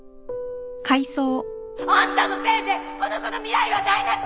あんたのせいでこの子の未来は台無しよ！